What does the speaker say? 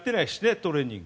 トレーニング。